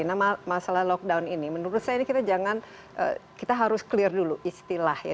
nah masalah lockdown ini menurut saya ini kita jangan kita harus clear dulu istilah ya